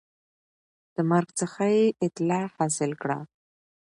د مرګ څخه یې اطلاع حاصل کړه